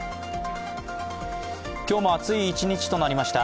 今日も暑い一日となりました。